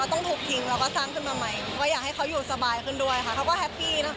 ต้องถูกทิ้งแล้วก็สร้างขึ้นมาใหม่ก็อยากให้เขาอยู่สบายขึ้นด้วยค่ะเขาก็แฮปปี้นะคะ